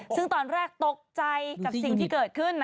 ซึ่งตอนแรกตกใจกับสิ่งที่เกิดขึ้น